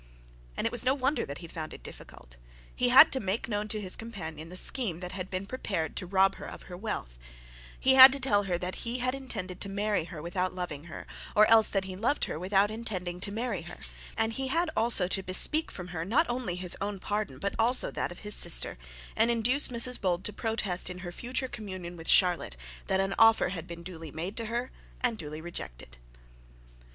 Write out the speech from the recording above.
And it was no wonder that he found it difficult. He had to make known to his companion the scheme that had been prepared to rob her of her wealth; he had to tell her that he loved her without intending to marry her; and he had also to bespeak from her not only his own pardon, but also that of his sister, and induce Mrs Bold to protest in her future communication with Charlotte that an offer had been duly made to her and duly rejected.